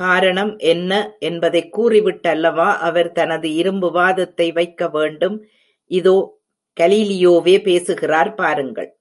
காரணம் என்ன? என்பதைக் கூறிவிட்டல்லவா அவர் தனது இரும்பு வாதத்தை வைக்க வேண்டும் இதோ கலீலியோவே பேசுகிறார் பாருங்கள்.